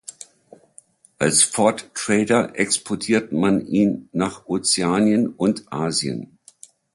Als Ford Trader exportiert man ihn nach Ozeanien und Asien.